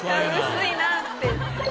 薄いなって。